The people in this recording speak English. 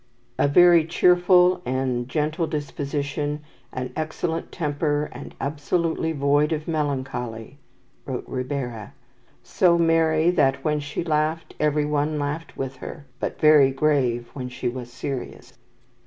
"A very cheerful and gentle disposition, an excellent temper, and absolutely void of melancholy," wrote Ribera. "So merry that when she laughed, every one laughed with her, but very grave when she was serious."